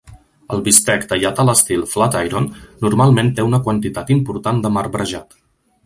El bistec tallat a l'estil "flat iron" normalment té una quantitat important de marbrejat.